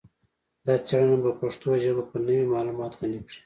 دا څیړنه به پښتو ژبه په نوي معلوماتو غني کړي